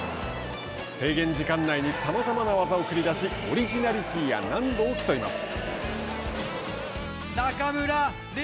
制限時間内にさまざまな技を繰り出しオリジナリティーや難度を競います。